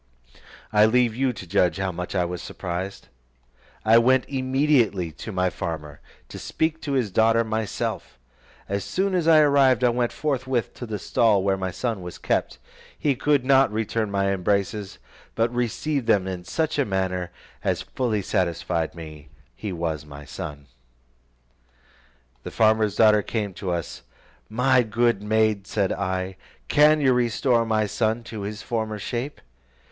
I leave you to judge how much I was surprised. I went immediately to my farmer, to speak to his daughter myself. As soon as I arrived, I went forthwith to the stall where my son was kept; he could not return my embraces, but received them in such a manner, as fully satisfied me he was my son. The farmer's daughter then came to us: "My good maid," said I, "can you restore my son to his former shape?"